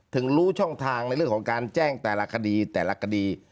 ถึงรู้ช่องทางในเรื่องของการแจ้งแต่ละคดีแต่ละคดี